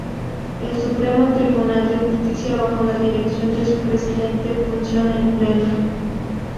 El Supremo Tribunal de Justicia, bajo la dirección de su Presidente, funciona en Pleno.